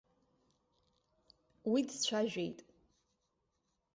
Уи дцәажәеит.